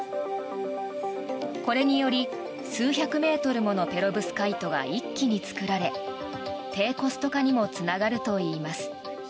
これにより数百メートルものペロブスカイトが一気に作られ低コスト化にもつながるといいます。